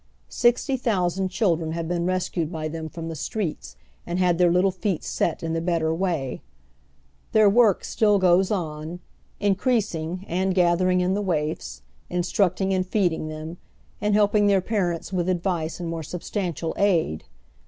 Sixty thousand children have been res oy Google 194 now THE OTIIEli HALF LIVES. ciied by them from the streets and had their little feet set in the better way. Their work still goes on, increasing and gathering in the waifs, instructing and feeding them, and helping tlieir parents with advice and more substan tial aid.